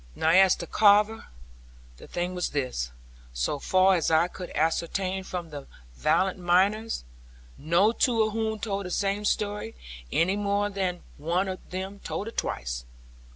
Now as to Carver, the thing was this so far as I could ascertain from the valiant miners, no two of whom told the same story, any more than one of them told it twice.